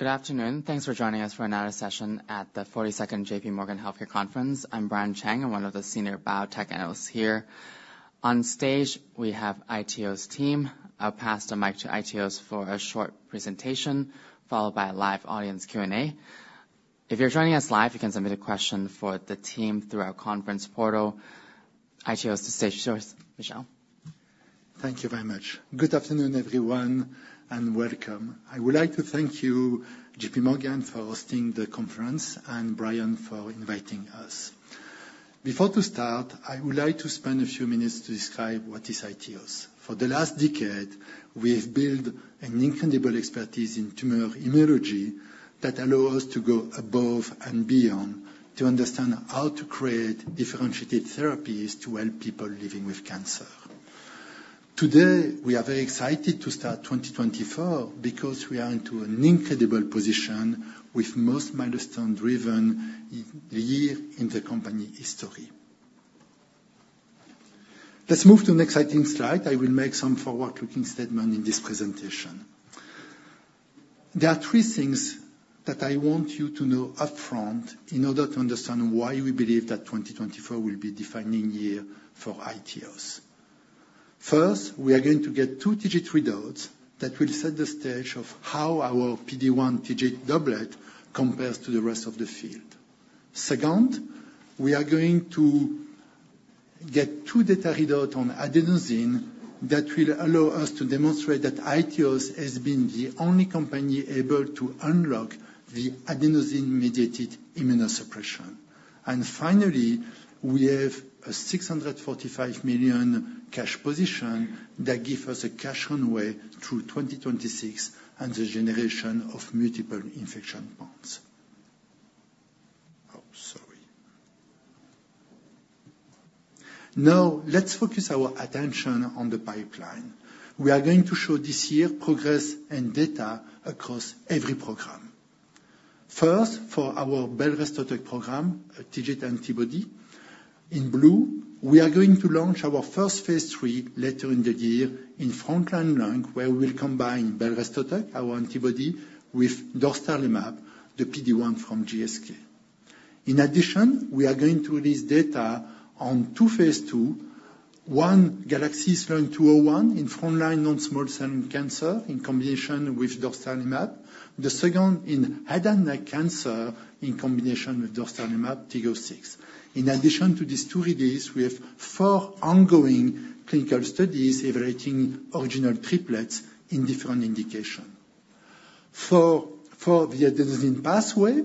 Good afternoon. Thanks for joining us for another session at the 42nd JPMorgan Healthcare Conference. I'm Brian Cheng, I'm one of the senior biotech analysts here. On stage, we have iTeos' team. I'll pass the mic to iTeos for a short presentation, followed by a live audience Q&A. If you're joining us live, you can submit a question for the team through our conference portal. iTeos, the stage is yours, Michel. Thank you very much. Good afternoon, everyone, and welcome. I would like to thank you, JPMorgan, for hosting the conference and Brian for inviting us. Before to start, I would like to spend a few minutes to describe what is iTeos. For the last decade, we have built an incredible expertise in tumor immunology that allow us to go above and beyond to understand how to create differentiated therapies to help people living with cancer. Today, we are very excited to start 2024 because we are into an incredible position with most milestone-driven year in the company history. Let's move to the next exciting slide. I will make some forward-looking statement in this presentation. There are three things that I want you to know upfront in order to understand why we believe that 2024 will be defining year for iTeos. First, we are going to get two TIGIT readouts that will set the stage of how our PD-1 TIGIT doublet compares to the rest of the field. Second, we are going to get two data readouts on adenosine that will allow us to demonstrate that iTeos has been the only company able to unlock the adenosine-mediated immunosuppression. And finally, we have a $645 million cash position that gives us a cash runway through 2026 and the generation of multiple inflection points. Oh, sorry. Now, let's focus our attention on the pipeline. We are going to show this year progress and data across every program. First, for our belrestotug program, a TIGIT antibody. In blue, we are going to launch our first phase III later in the year in frontline lung, where we will combine belrestotug, our antibody, with dostarlimab, the PD-1 from GSK. In addition, we are going to release data on two phase II/I, GALAXIES Lung-201 in frontline non-small cell cancer in combination with dostarlimab. The second in head and neck cancer in combination with dostarlimab TIG-006. In addition to these two releases, we have four ongoing clinical studies evaluating original triplets in different indications. For the adenosine pathway,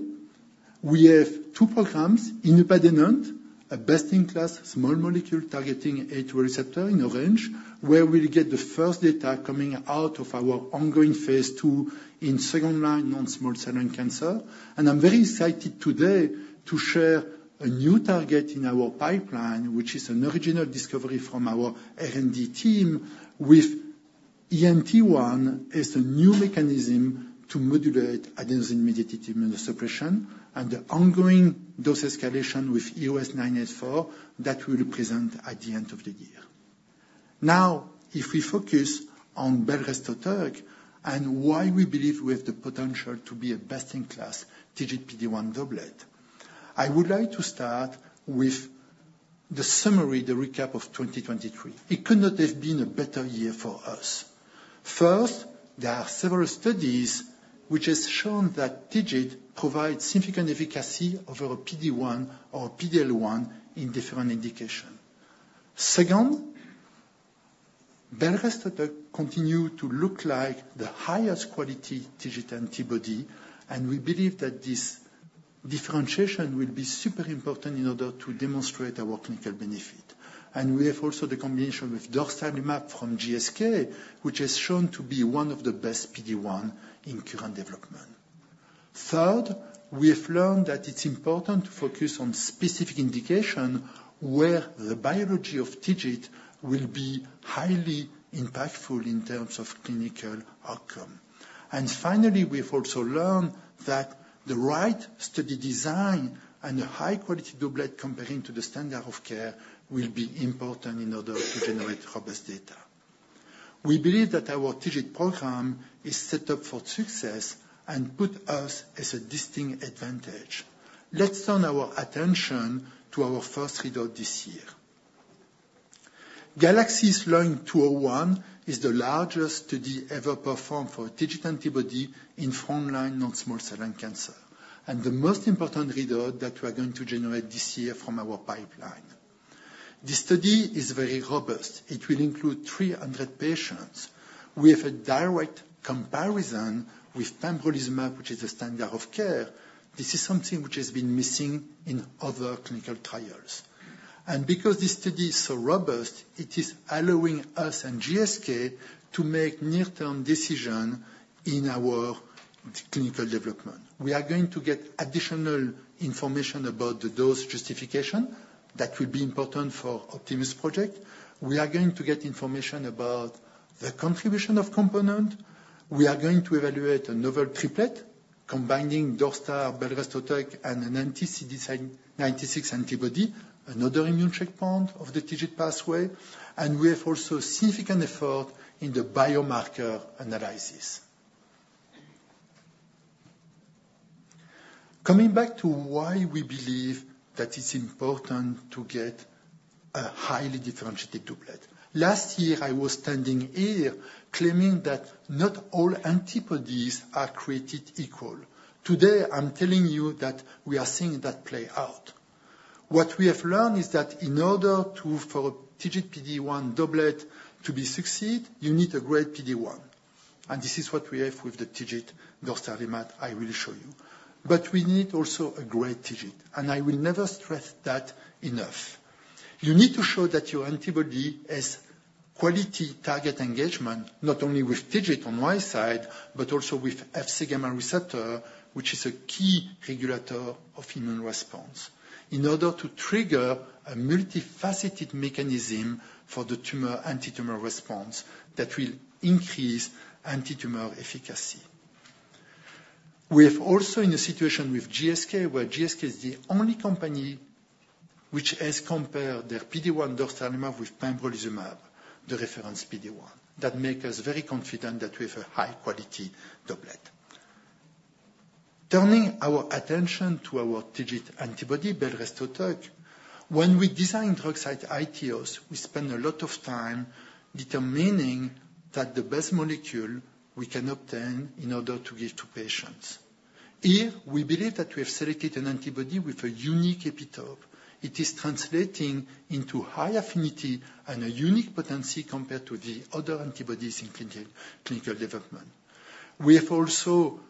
we have two programs, inupadenant, a best-in-class small molecule targeting A2A receptor in oncology, where we'll get the first data coming out of our ongoing phase II in second-line non-small cell lung cancer. And I'm very excited today to share a new target in our pipeline, which is an original discovery from our R&D team with ENT1, as a new mechanism to modulate adenosine-mediated immunosuppression and the ongoing dose escalation with EOS-984 that we'll present at the end of the year. Now, if we focus on belrestotug and why we believe we have the potential to be a best-in-class TIGIT PD-1 doublet. I would like to start with the summary, the recap of 2023. It could not have been a better year for us. First, there are several studies which has shown that TIGIT provides significant efficacy over a PD-1 or PD-L1 in different indication. Second, belrestotug continue to look like the highest quality TIGIT antibody, and we believe that this differentiation will be super important in order to demonstrate our clinical benefit. And we have also the combination with dostarlimab from GSK, which is shown to be one of the best PD-1 in current development. Third, we have learned that it's important to focus on specific indication where the biology of TIGIT will be highly impactful in terms of clinical outcome. And finally, we've also learned that the right study design and a high-quality doublet comparing to the standard of care will be important in order to generate robust data. We believe that our TIGIT program is set up for success and put us as a distinct advantage. Let's turn our attention to our first readout this year. GALAXIES Lung-201 is the largest study ever performed for a TIGIT antibody in frontline non-small cell lung cancer, and the most important readout that we are going to generate this year from our pipeline. This study is very robust. It will include 300 patients with a direct comparison with pembrolizumab, which is the standard of care. This is something which has been missing in other clinical trials. And because this study is so robust, it is allowing us and GSK to make near-term decision in our clinical development. We are going to get additional information about the dose justification that will be important for Optimus project. We are going to get information about the contribution of component. We are going to evaluate another triplet, combining dostarlimab, belrestotug, and an anti-CD96 antibody, another immune checkpoint of the TIGIT pathway. And we have also significant effort in the biomarker analysis.... Coming back to why we believe that it's important to get a highly differentiated doublet. Last year, I was standing here claiming that not all antibodies are created equal. Today, I'm telling you that we are seeing that play out. What we have learned is that in order to, for TIGIT PD-1 doublet to be succeed, you need a great PD-1, and this is what we have with the TIGIT dostarlimab, I will show you. But we need also a great TIGIT, and I will never stress that enough. You need to show that your antibody has quality target engagement, not only with TIGIT on one side, but also with Fc gamma receptor, which is a key regulator of immune response, in order to trigger a multifaceted mechanism for the tumor, antitumor response that will increase antitumor efficacy. We have also in a situation with GSK, where GSK is the only company which has compared their PD-1 dostarlimab with pembrolizumab, the reference PD-1. That make us very confident that we have a high quality doublet. Turning our attention to our TIGIT antibody, belrestotug. When we designed drugs at iTeos, we spend a lot of time determining that the best molecule we can obtain in order to give to patients. Here, we believe that we have selected an antibody with a unique epitope. It is translating into high affinity and a unique potency compared to the other antibodies in clinical development. We have also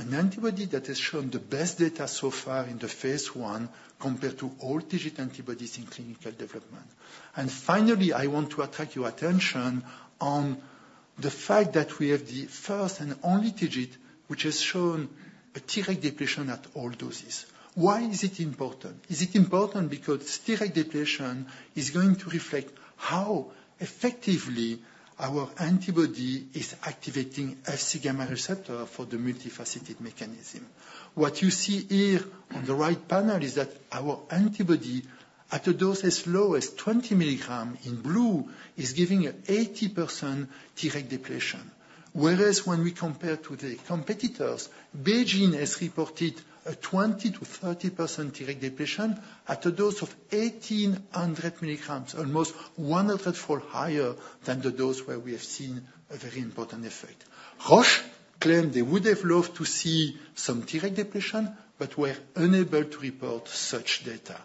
an antibody that has shown the best data so far in the phase I, compared to all TIGIT antibodies in clinical development. And finally, I want to attract your attention on the fact that we are the first and only TIGIT which has shown a TIGIT depletion at all doses. Why is it important? It is important because TIGIT depletion is going to reflect how effectively our antibody is activating Fc gamma receptor for the multifaceted mechanism. What you see here on the right panel is that our antibody, at a dose as low as 20 mg, in blue, is giving an 80% TIGIT depletion. Whereas when we compare to the competitors, BeiGene has reported a 20%-30% TIGIT depletion at a dose of 1,800 mg, almost 100-fold higher than the dose where we have seen a very important effect. Roche claimed they would have loved to see some TIGIT depletion, but were unable to report such data.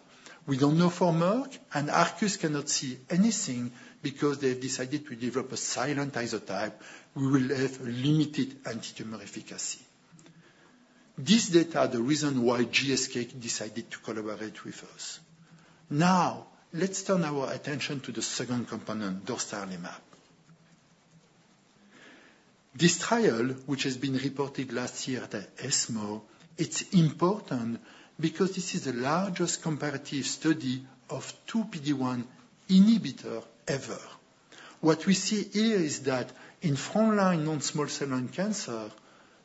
We don't know for Merck, and Arcus Biosciences cannot see anything because they've decided to develop a silent isotype, we will have limited antitumor efficacy. This data are the reason why GSK decided to collaborate with us. Now, let's turn our attention to the second component, dostarlimab. This trial, which has been reported last year at the ESMO, it's important because this is the largest comparative study of two PD-1 inhibitor ever. What we see here is that in frontline non-small cell lung cancer,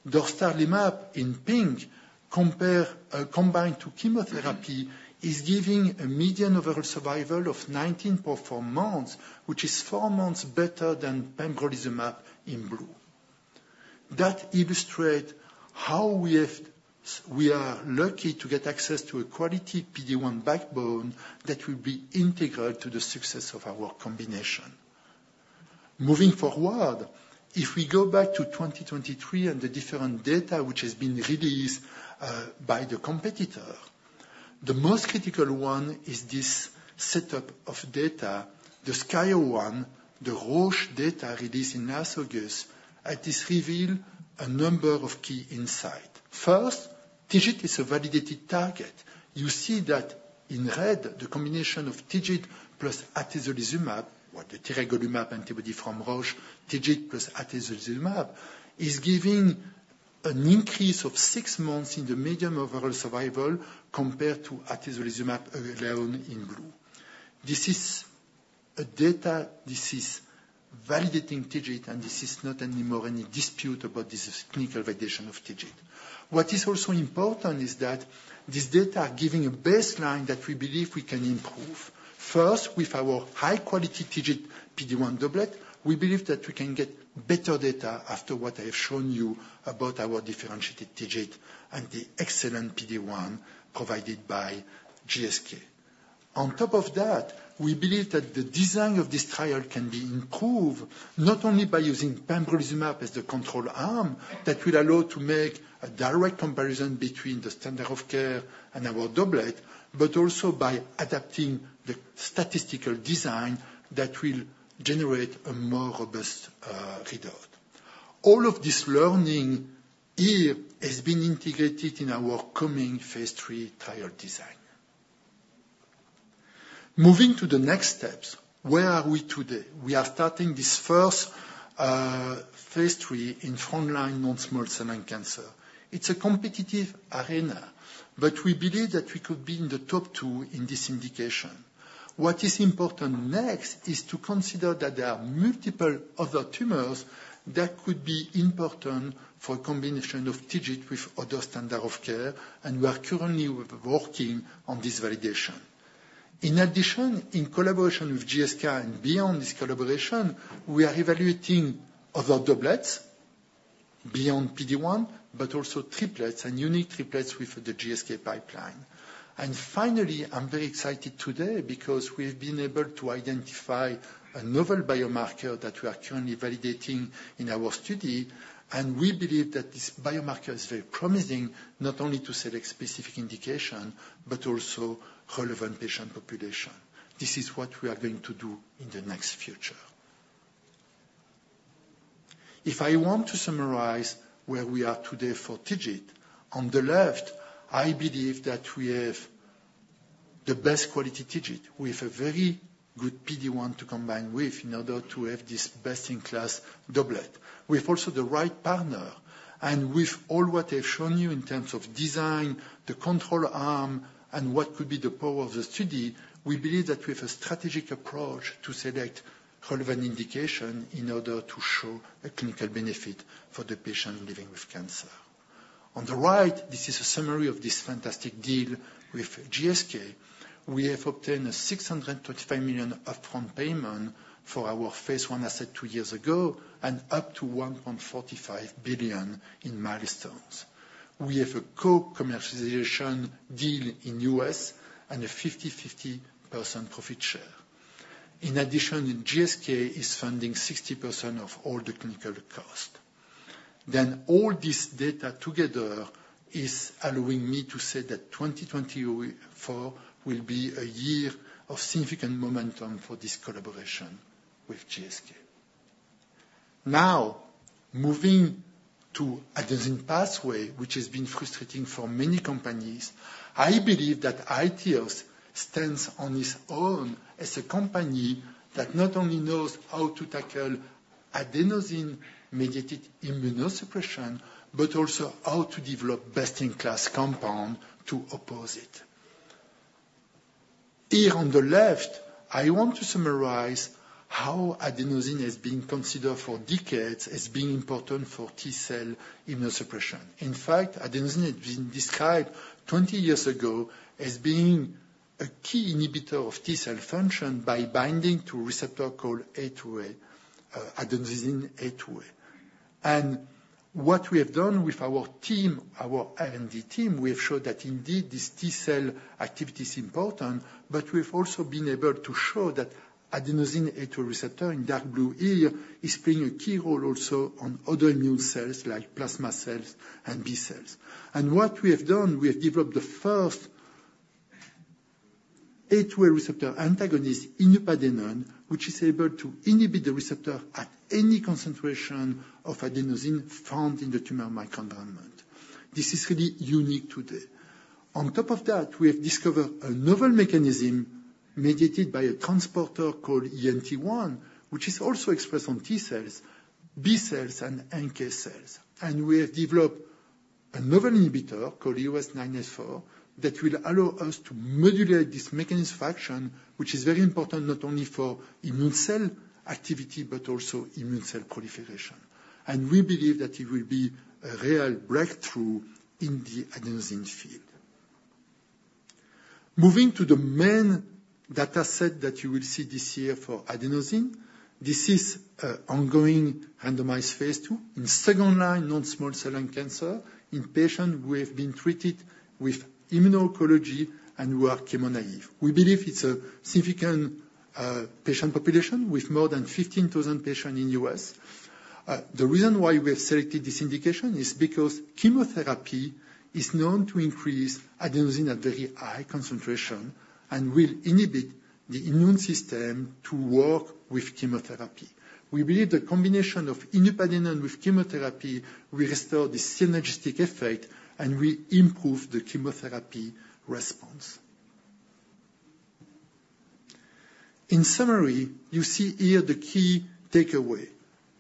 dostarlimab, in pink, compare, combined to chemotherapy, is giving a median overall survival of 19.4 months, which is four months better than pembrolizumab in blue. That illustrate how we have-- we are lucky to get access to a quality PD-1 backbone that will be integral to the success of our combination. Moving forward, if we go back to 2023 and the different data which has been released, by the competitor, the most critical one is this setup of data, the SKY-01, the Roche data released in last August, and this reveal a number of key insight. First, TIGIT is a validated target. You see that in red, the combination of TIGIT plus atezolizumab, or the tiragolumab antibody from Roche, TIGIT plus atezolizumab, is giving an increase of six months in the median overall survival compared to atezolizumab alone in blue. This is a data, this is validating TIGIT, and this is not any more any dispute about this clinical validation of TIGIT. What is also important is that this data are giving a baseline that we believe we can improve. First, with our high quality TIGIT PD-1 doublet, we believe that we can get better data after what I have shown you about our differentiated TIGIT and the excellent PD-1 provided by GSK. On top of that, we believe that the design of this trial can be improved, not only by using pembrolizumab as the control arm, that will allow to make a direct comparison between the standard of care and our doublet, but also by adapting the statistical design that will generate a more robust result. All of this learning here has been integrated in our coming phase III trial design. Moving to the next steps, where are we today? We are starting this first phase III in frontline non-small cell lung cancer. It's a competitive arena, but we believe that we could be in the top two in this indication. What is important next, is to consider that there are multiple other tumors that could be important for a combination of TIGIT with other standard of care, and we are currently working on this validation.... In addition, in collaboration with GSK and beyond this collaboration, we are evaluating other doublets beyond PD-1, but also triplets and unique triplets with the GSK pipeline. And finally, I'm very excited today because we've been able to identify a novel biomarker that we are currently validating in our study. And we believe that this biomarker is very promising, not only to select specific indication, but also relevant patient population. This is what we are going to do in the next future. If I want to summarize where we are today for TIGIT, on the left, I believe that we have the best quality TIGIT, with a very good PD-1 to combine with in order to have this best-in-class doublet. We have also the right partner, and with all what I've shown you in terms of design, the control arm, and what could be the power of the study, we believe that we have a strategic approach to select relevant indication in order to show a clinical benefit for the patient living with cancer. On the right, this is a summary of this fantastic deal with GSK. We have obtained a $635 million upfront payment for our phase I asset two years ago, and up to $1.45 billion in milestones. We have a co-commercialization deal in the U.S. and a 50/50 profit share. In addition, GSK is funding 60% of all the clinical costs. All this data together is allowing me to say that 2024 will be a year of significant momentum for this collaboration with GSK. Now, moving to adenosine pathway, which has been frustrating for many companies, I believe that iTeos stands on its own as a company that not only knows how to tackle adenosine-mediated immunosuppression, but also how to develop best-in-class compound to oppose it. Here on the left, I want to summarize how adenosine has been considered for decades as being important for T cell immunosuppression. In fact, adenosine has been described 20 years ago as being a key inhibitor of T cell function by binding to a receptor called A2A, adenosine A2A. And what we have done with our team, our R&D team, we have showed that indeed, this T cell activity is important, but we've also been able to show that adenosine A2A receptor in dark blue here, is playing a key role also on other immune cells like plasma cells and B cells. What we have done, we have developed the first A2A receptor antagonist, inupadenant, which is able to inhibit the receptor at any concentration of adenosine found in the tumor microenvironment. This is really unique today. On top of that, we have discovered a novel mechanism mediated by a transporter called ENT1, which is also expressed on T cells, B cells, and NK cells. And we have developed another inhibitor called EOS-984, that will allow us to modulate this mechanism of action, which is very important not only for immune cell activity, but also immune cell proliferation. And we believe that it will be a real breakthrough in the adenosine field. Moving to the main data set that you will see this year for adenosine, this is an ongoing randomized phase II, in second-line non-small cell lung cancer in patients who have been treated with immuno-oncology and who are chemo-naive. We believe it's a significant patient population with more than 15,000 patients in the U.S. The reason why we have selected this indication is because chemotherapy is known to increase adenosine at very high concentration and will inhibit the immune system to work with chemotherapy. We believe the combination of inupadenant with chemotherapy will restore the synergistic effect and will improve the chemotherapy response. In summary, you see here the key takeaway.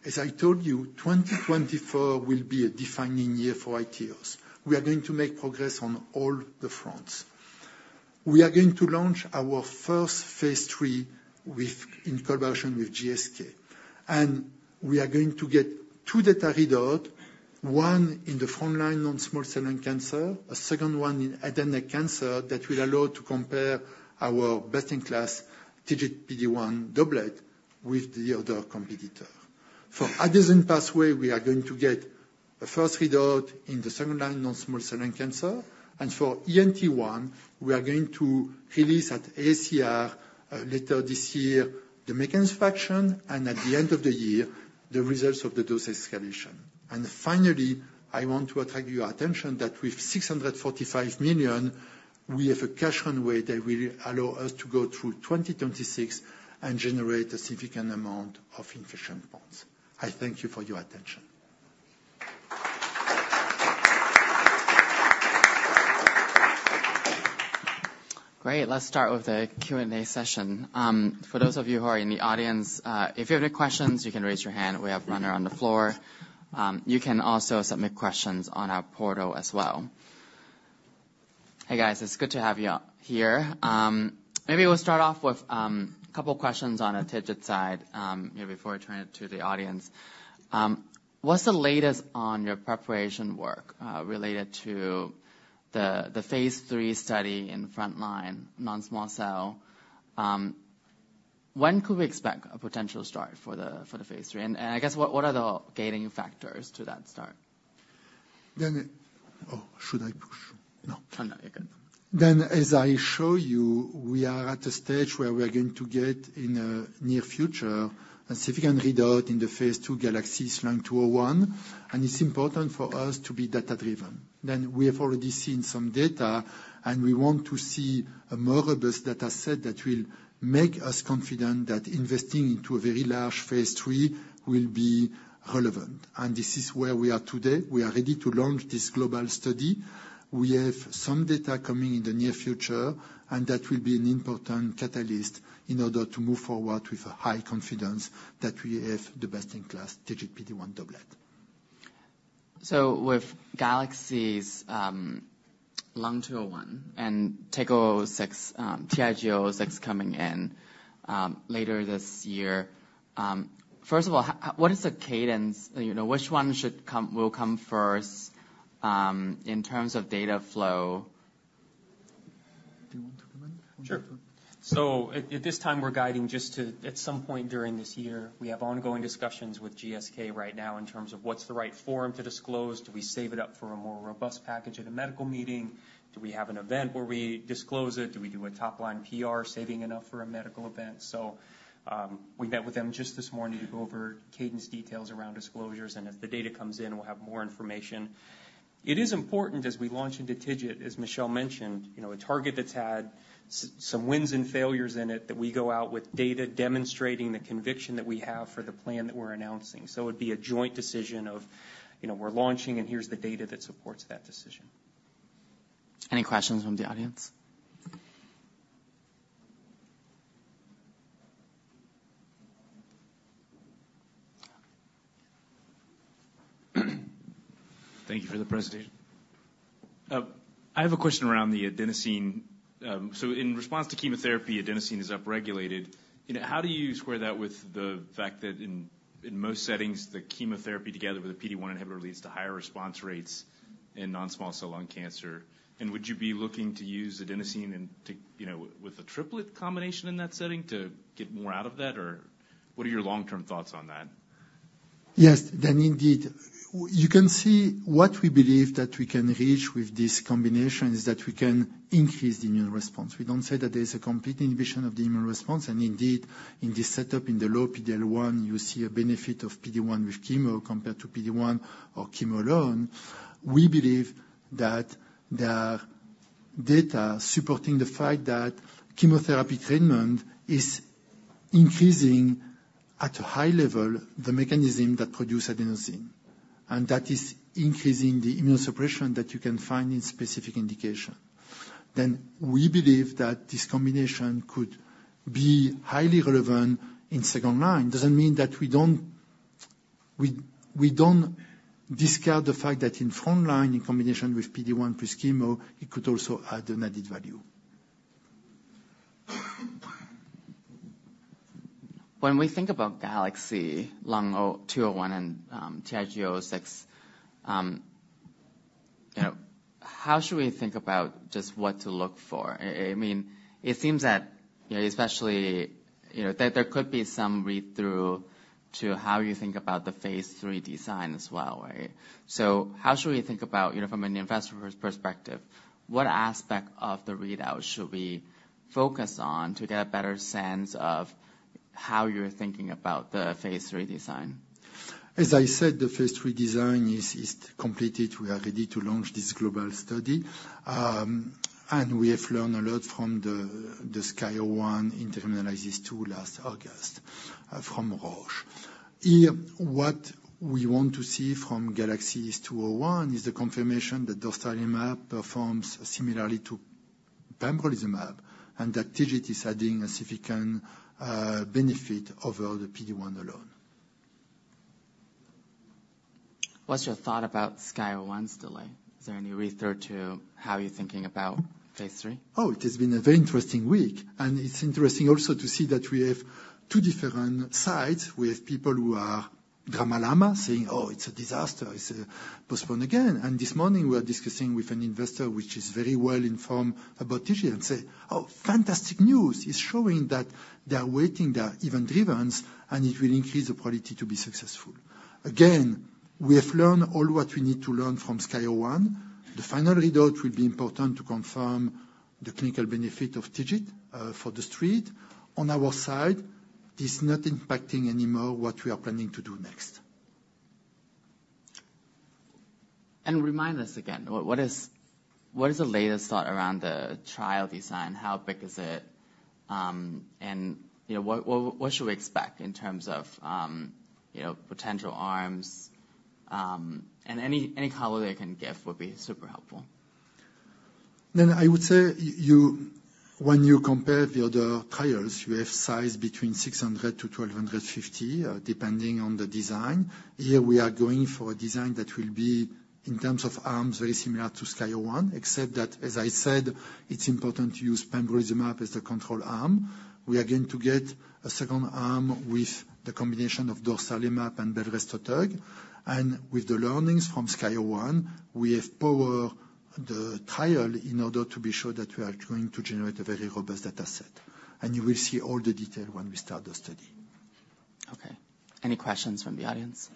As I told you, 2024 will be a defining year for iTeos. We are going to make progress on all the fronts. We are going to launch our first phase III in collaboration with GSK, and we are going to get two data readouts, one in the frontline non-small cell lung cancer, a second one in head and neck cancer, that will allow to compare our best-in-class TIGIT PD-1 doublet with the other competitor. For adenosine pathway, we are going to get a first read out in the second-line non-small cell lung cancer, and for ENT1, we are going to release at AACR later this year, the mechanism of action, and at the end of the year, the results of the dose escalation. And finally, I want to attract your attention that with $645 million, we have a cash runway that will allow us to go through 2026 and generate a significant amount of inflection points. I thank you for your attention. Great. Let's start with the Q&A session. For those of you who are in the audience, if you have any questions, you can raise your hand. We have runner on the floor. You can also submit questions on our portal as well. Hey, guys, it's good to have you all here. Maybe we'll start off with a couple questions on the TIGIT side, maybe before I turn it to the audience. What's the latest on your preparation work related to the phase III study in front line non-small cell? When could we expect a potential start for the phase III? And I guess, what are the gating factors to that start? Then, oh, should I push? No. Oh, no. You're good. Then, as I show you, we are at a stage where we are going to get, in the near future, a significant readout in the phase II GALAXIES Lung-201, and it's important for us to be data-driven. Then we have already seen some data, and we want to see more of this data set that will make us confident that investing into a very large phase III will be relevant. And this is where we are today. We are ready to launch this global study. We have some data coming in the near future, and that will be an important catalyst in order to move forward with a high confidence that we have the best-in-class TIGIT PD-1 doublet. So with GALAXIES Lung-201 and TIG-006 coming in later this year, first of all, what is the cadence? You know, which one will come first in terms of data flow? Do you want to comment? Sure. So at this time, we're guiding just to at some point during this year. We have ongoing discussions with GSK right now in terms of what's the right forum to disclose. Do we save it up for a more robust package at a medical meeting? Do we have an event where we disclose it? Do we do a top-line PR, saving enough for a medical event? So, we met with them just this morning to go over cadence details around disclosures, and if the data comes in, we'll have more information. It is important as we launch into TIGIT, as Michel mentioned, you know, a target that's had some wins and failures in it, that we go out with data demonstrating the conviction that we have for the plan that we're announcing. It'd be a joint decision of, you know, we're launching, and here's the data that supports that decision. Any questions from the audience? Thank you for the presentation. I have a question around the adenosine. So in response to chemotherapy, adenosine is upregulated. You know, how do you square that with the fact that in most settings, the chemotherapy, together with a PD-1 inhibitor, leads to higher response rates in non-small cell lung cancer? And would you be looking to use adenosine and to... You know, with a triplet combination in that setting, to get more out of that? Or what are your long-term thoughts on that? Yes. Then indeed, you can see what we believe that we can reach with this combination is that we can increase the immune response. We don't say that there is a complete inhibition of the immune response, and indeed, in this setup, in the low PD-L1, you see a benefit of PD-1 with chemo compared to PD-1 or chemo alone. We believe that the data supporting the fact that chemotherapy treatment is increasing at a high level, the mechanism that produce adenosine, and that is increasing the immunosuppression that you can find in specific indication. Then, we believe that this combination could be highly relevant in second line. Doesn't mean that we don't discard the fact that in front line, in combination with PD-1 plus chemo, it could also add an added value. When we think about GALAXIES Lung-201 and, you know, TIG-006, you know, how should we think about just what to look for? I mean, it seems that, you know, especially, you know, that there could be some read-through to how you think about the phase III design as well, right? So how should we think about, you know, from an investor perspective, what aspect of the readout should we focus on to get a better sense of how you're thinking about the phase III design? As I said, the phase III design is completed. We are ready to launch this global study. And we have learned a lot from the SKY-01 intermediate analysis from 2022 last August, from Roche. Here, what we want to see from GALAXIES Lung-201 is the confirmation that dostarlimab performs similarly to pembrolizumab, and that TIGIT is adding a significant benefit over the PD-1 alone. What's your thought about SKY-01's delay? Is there any read-through to how you're thinking about phase III? Oh, it has been a very interesting week, and it's interesting also to see that we have two different sides. We have people who are drama llama, saying, "Oh, it's a disaster. It's postponed again." And this morning, we are discussing with an investor, which is very well informed about TIGIT, and say, "Oh, fantastic news!" It's showing that they are waiting, they are event-driven, and it will increase the quality to be successful. Again, we have learned all what we need to learn from SKY-01. The final readout will be important to confirm the clinical benefit of TIGIT for the street. On our side, it is not impacting anymore what we are planning to do next. Remind us again, what is the latest thought around the trial design? How big is it? And you know, what should we expect in terms of, you know, potential arms, and any color you can give would be super helpful. Then I would say... When you compare the other trials, you have size between 600-1,250, depending on the design. Here we are going for a design that will be, in terms of arms, very similar to SKY-01, except that, as I said, it's important to use pembrolizumab as the control arm. We are going to get a second arm with the combination of dostarlimab and belrestotug. And with the learnings from SKY-01, we have powered the trial in order to be sure that we are going to generate a very robust data set. And you will see all the detail when we start the study. Okay. Any questions from the audience?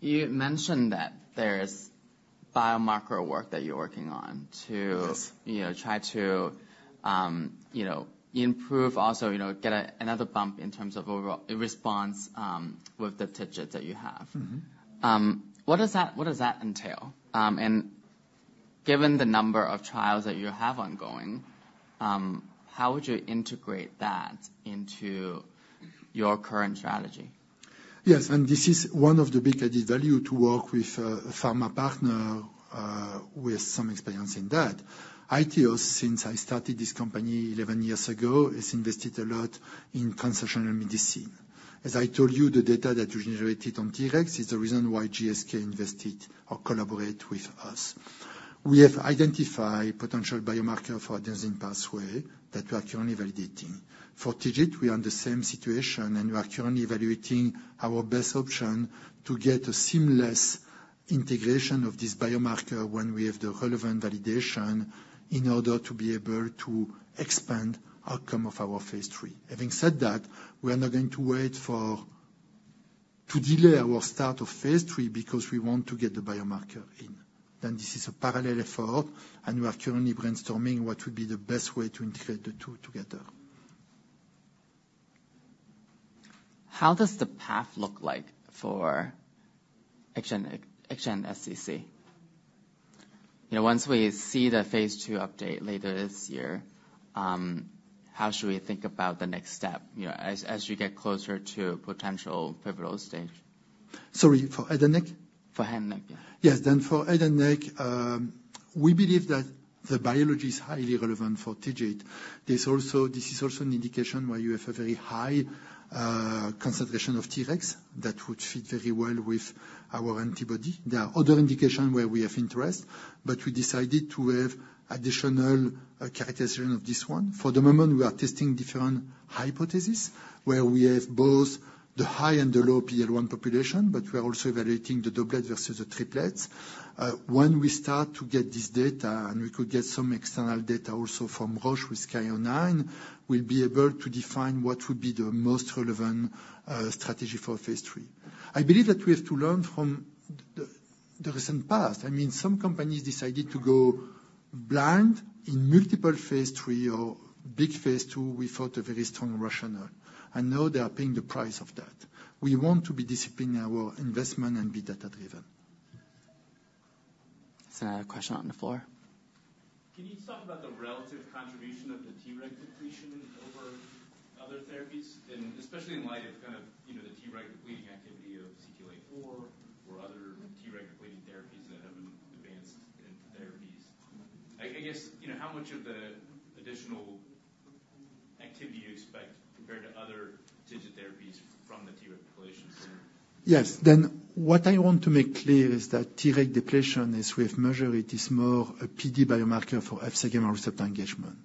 You mentioned that there's biomarker work that you're working on to- Yes. You know, try to, you know, improve, also, you know, get another bump in terms of overall response with the TIGIT that you have. Mm-hmm. What does that, what does that entail? And given the number of trials that you have ongoing, how would you integrate that into your current strategy? Yes, and this is one of the big added value to work with, pharma partner, with some experience in that. iTeos, since I started this company 11 years ago, has invested a lot in conceptual medicine. As I told you, the data that we generated on Treg is the reason why GSK invested or collaborate with us. We have identified potential biomarker for adenosine pathway that we are currently validating. For TIGIT, we are in the same situation, and we are currently evaluating our best option to get a seamless integration of this biomarker when we have the relevant validation in order to be able to expand outcome of our phase III. Having said that, we are not going to wait to delay our start of phase III because we want to get the biomarker in. This is a parallel effort, and we are currently brainstorming what would be the best way to integrate the two together. How does the path look like for head and neck, head and neck SCC? You know, once we see the phase II update later this year, how should we think about the next step, you know, as you get closer to potential pivotal stage? Sorry, for head and neck? For head and neck, yeah. Yes. Then for head and neck, we believe that the biology is highly relevant for TIGIT. There's also this is also an indication where you have a very high concentration of Treg that would fit very well with our antibody. There are other indication where we have interest, but we decided to have additional characterization of this one. For the moment, we are testing different hypothesis where we have both the high and the low PD-L1 population, but we are also evaluating the doublet versus the triplets. When we start to get this data, and we could get some external data also from Roche with SKY-01, we'll be able to define what would be the most relevant strategy for phase III. I believe that we have to learn from the recent past. I mean, some companies decided to go blind in multiple phase III or big phase II without a very strong rationale, and now they are paying the price of that. We want to be disciplined in our investment and be data driven. Is there a question on the floor? Can you talk about the relative contribution of the Treg depletion over other therapies, and especially in light of kind of, you know, the Treg depleting activity of CCR8 or other Treg depleting therapies that have advanced into therapies? I, I guess, you know, how much of the additional activity you expect compared to other TIGIT therapies from the Treg depletion? Yes. Then what I want to make clear is that Treg depletion, as we have measured it, is more a PD biomarker for Fc gamma receptor engagement.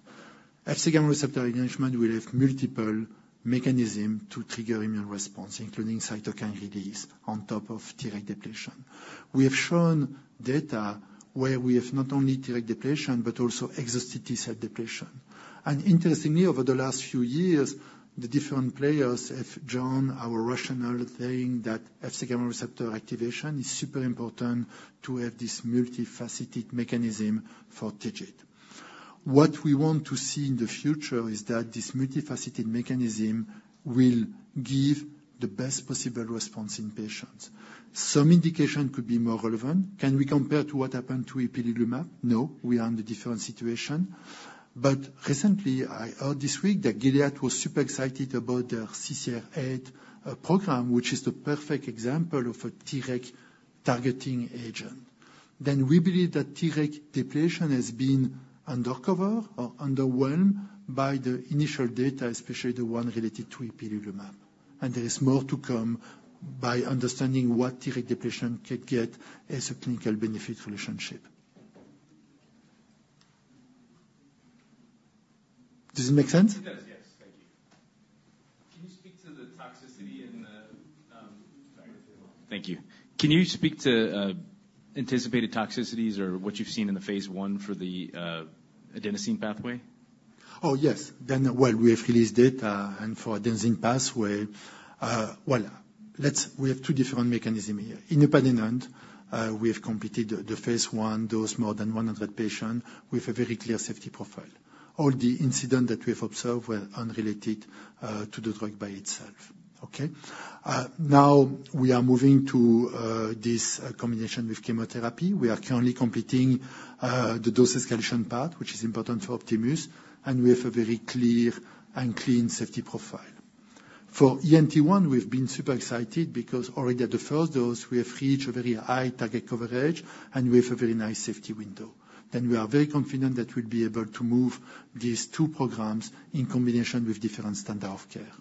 Fc gamma receptor engagement will have multiple mechanism to trigger immune response, including cytokine release on top of Treg depletion. We have shown data where we have not only Treg depletion, but also exhausted T cell depletion. And interestingly, over the last few years, the different players have joined our rationale, saying that Fc gamma receptor activation is super important to have this multifaceted mechanism for TIGIT. What we want to see in the future is that this multifaceted mechanism will give the best possible response in patients. Some indication could be more relevant. Can we compare to what happened to ipilimumab? No, we are in a different situation. But recently, I heard this week that Gilead was super excited about their CCR8 program, which is the perfect example of a Treg targeting agent. Then we believe that Treg depletion has been undercover or underwhelmed by the initial data, especially the one related to ipilimumab. And there is more to come by understanding what Treg depletion can get as a clinical benefit relationship. Does it make sense? It does, yes. Thank you. Can you speak to the toxicity and the... Thank you. Can you speak to anticipated toxicities or what you've seen in the phase I for the adenosine pathway? Oh, yes. Then well, we have released data, and for adenosine pathway, well, we have two different mechanisms here. Independently, we have completed the phase I, dose more than 100 patients with a very clear safety profile. All the incidents that we have observed were unrelated to the drug by itself. Okay? Now we are moving to this combination with chemotherapy. We are currently completing the dose escalation part, which is important for Optimus, and we have a very clear and clean safety profile. For ENT1, we've been super excited because already at the first dose we have reached a very high target coverage, and we have a very nice safety window. Then we are very confident that we'll be able to move these two programs in combination with different standard of care.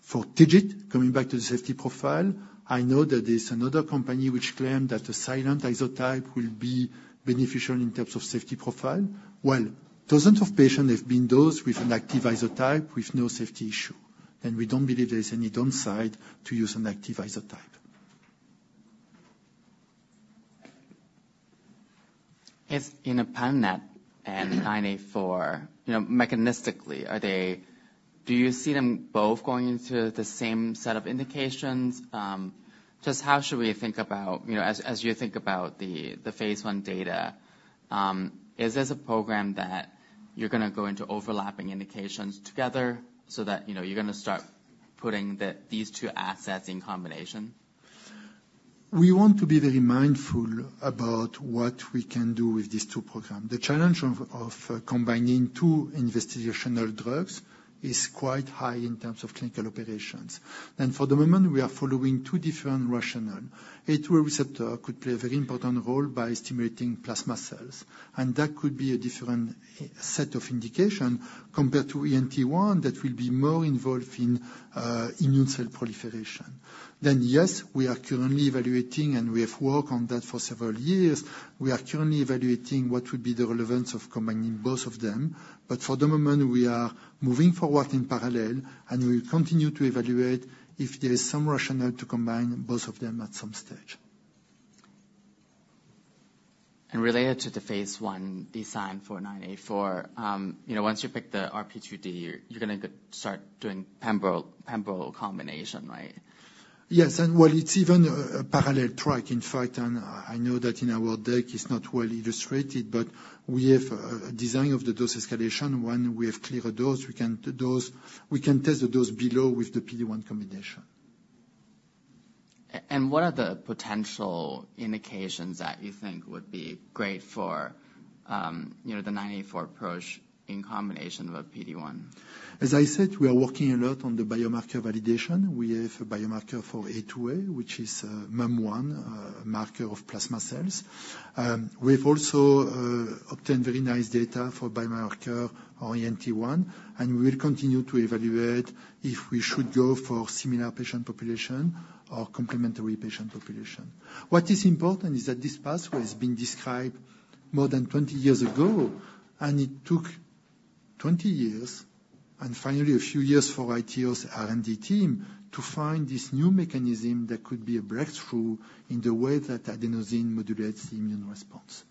For TIGIT, coming back to the safety profile, I know that there's another company which claimed that the silent isotype will be beneficial in terms of safety profile. Well, dozens of patients have been dosed with an active isotype with no safety issue, and we don't believe there is any downside to use an active isotype. If inupadenant and EOS-984, you know, mechanistically, are they, do you see them both going into the same set of indications? Just how should we think about, you know, as you think about the phase I data, is this a program that you're gonna go into overlapping indications together so that, you know, you're gonna start putting these two assets in combination? We want to be very mindful about what we can do with these two program. The challenge of, of combining two investigational drugs is quite high in terms of clinical operations. For the moment, we are following two different rationale. A2A receptor could play a very important role by stimulating plasma cells, and that could be a different set of indication compared to ENT1, that will be more involved in immune cell proliferation. Yes, we are currently evaluating, and we have worked on that for several years. We are currently evaluating what would be the relevance of combining both of them, but for the moment, we are moving forward in parallel, and we will continue to evaluate if there is some rationale to combine both of them at some stage. Related to the phase I design for 984, you know, once you pick the RP2D, you're gonna get start doing pembrolizumab, pembrolizumab combination, right? Yes, and well, it's even a parallel track, in fact, and I know that in our deck, it's not well illustrated, but we have a design of the dose escalation. When we have clear dose, we can dose, we can test the dose below with the PD-1 combination. And what are the potential indications that you think would be great for, you know, the 984 approach in combination with PD-1? As I said, we are working a lot on the biomarker validation. We have a biomarker for A2A, which is, MUM1, marker of plasma cells. We've also obtained very nice data for biomarker on ENT1, and we will continue to evaluate if we should go for similar patient population or complementary patient population. What is important is that this pathway has been described more than 20 years ago, and it took 20 years, and finally, a few years for iTeos R&D team, to find this new mechanism that could be a breakthrough in the way that adenosine modulates the immune response.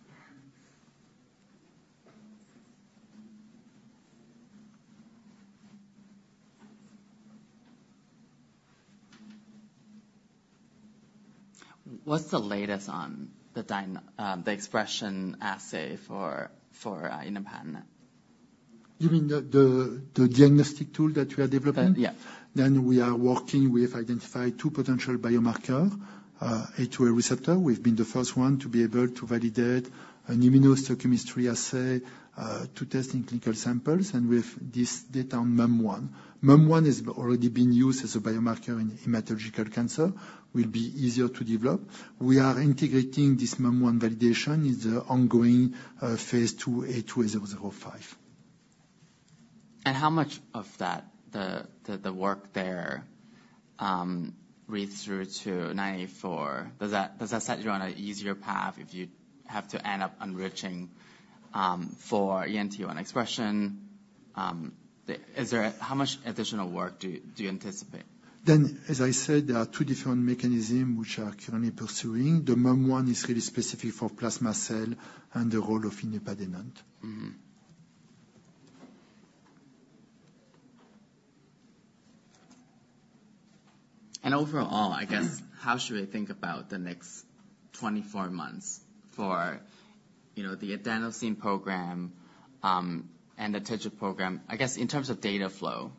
What's the latest on the expression assay for inupadenant? You mean the diagnostic tool that we are developing? Yeah. Then we are working. We have identified two potential biomarker, A2A receptor. We've been the first one to be able to validate an immunohistochemistry assay, to test in clinical samples, and with this data on MUM1. MUM1 is already being used as a biomarker in hematological cancer, will be easier to develop. We are integrating this MUM1 validation in the ongoing, phase II, A2A-005. How much of that work there reads through to 984? Does that set you on an easier path if you have to end up enriching for ENT-1 expression? Is there a... How much additional work do you anticipate? As I said, there are two different mechanisms which are currently pursuing. The MUM1 one is really specific for plasma cell and the role of inupadenant. Mm-hmm. And overall, I guess, how should we think about the next 24 months for, you know, the adenosine program, and the TIGIT program? I guess, in terms of data flow,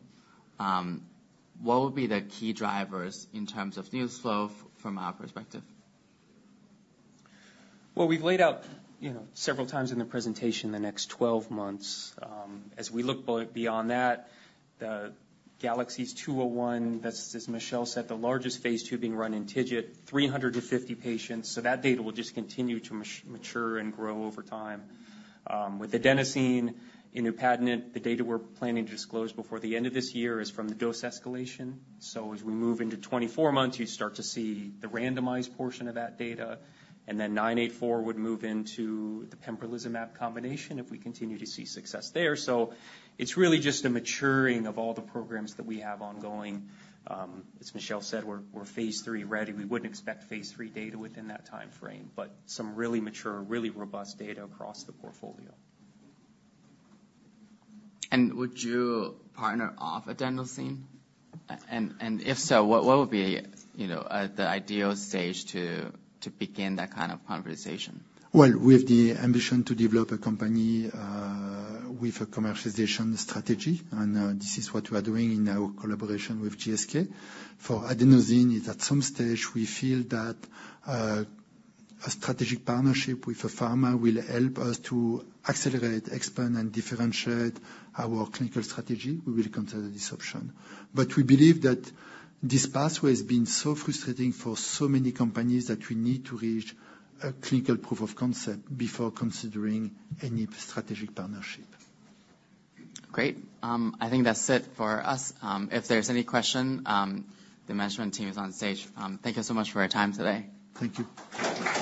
what would be the key drivers in terms of news flow from our perspective? Well, we've laid out, you know, several times in the presentation, the next 12 months. As we look beyond that, the GALAXIES-201, that's, as Michel said, the largest phase II being run in TIGIT, 350 patients, so that data will just continue to mature and grow over time. With adenosine inupadenant, the data we're planning to disclose before the end of this year is from the dose escalation. So as we move into 24 months, you start to see the randomized portion of that data, and then 984 would move into the pembrolizumab combination if we continue to see success there. So it's really just a maturing of all the programs that we have ongoing. As Michel said, we're phase III ready. We wouldn't expect phase III data within that timeframe, but some really mature, really robust data across the portfolio. Would you partner off adenosine? And if so, what would be, you know, the ideal stage to begin that kind of conversation? Well, we have the ambition to develop a company with a commercialization strategy, and this is what we are doing in our collaboration with GSK. For adenosine, if at some stage we feel that a strategic partnership with a pharma will help us to accelerate, expand, and differentiate our clinical strategy, we will consider this option. But we believe that this pathway has been so frustrating for so many companies that we need to reach a clinical proof of concept before considering any strategic partnership. Great. I think that's it for us. If there's any question, the management team is on stage. Thank you so much for your time today. Thank you.